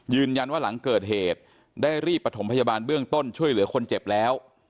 หลังเกิดเหตุได้รีบประถมพยาบาลเบื้องต้นช่วยเหลือคนเจ็บแล้ว